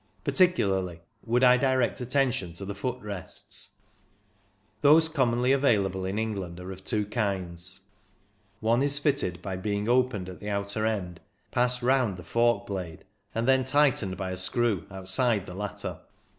Particularly would I direct attention to the foot rests. Those commonly available in England are of two kinds. One is fitted by being opened at the outer end, passed round the fork blade, and then tigfitened by a screw outside the latter.